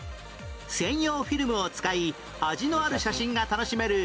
専用フィルムを使い味のある写真が楽しめる